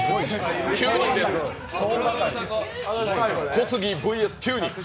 小杉ＶＳ９人。